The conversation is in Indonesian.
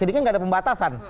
jadi kan enggak ada pembatasan